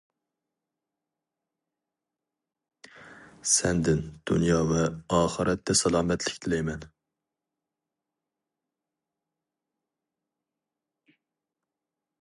سەندىن دۇنيا ۋە ئاخىرەتتە سالامەتلىك تىلەيمەن.